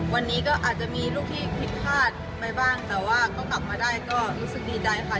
วันนี้ก็อาจจะมีลูกที่ผิดพลาดไปบ้างแต่ว่าก็กลับมาได้ก็รู้สึกดีใจค่ะ